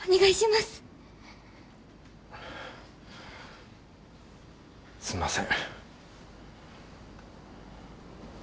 すんません。